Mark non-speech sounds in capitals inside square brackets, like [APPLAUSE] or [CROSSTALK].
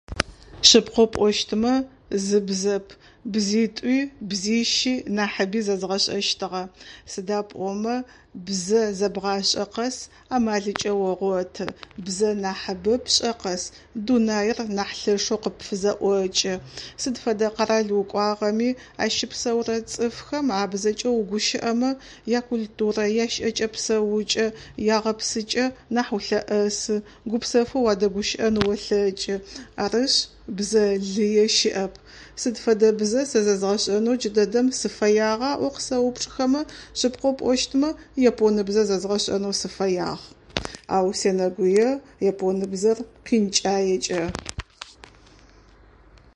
[NOISE] Шъыпкъэу пӏощтмэ зы бзэп, бзитӏуи, бзищи нахьыби зэзгъэшӏэщтыгъэ. Сыда пӏомэ бзэ зэбгъашӏэ къэс амалыкӏэ огъоты. Бзэ нахьыбэ пшӏэ къэс, дунаер нахь лъэшэу къыпфызэӏокӏы. Сыд фэдэ къэрал укӏуагъэми ащ щыпсэурэ цӏыфхэм а бзэкӏэ угущыӏэмэ, я культурэ, я щыӏэкӏэ псэукӏэ, я гъэпсыкӏэ нахь улъэӏэсы. Гупсэфэу уадэгущыӏэн уэлъэкӏы. Арышъ, бзэ лые щыӏэп. Сыд фэдэ бзэ сэ зэзгъэшӏэнэу джы дэдэм сыфэягъа ӏоу къысэупчӏыгъэхэмэ, шъыпкъэ пӏощтмэ японэ бзэ зэзгъэшӏэнэу сыфэягъ. [NOISE] Ау сенэгуе японэбзэр къинкӏаекӏэ. [NOISE]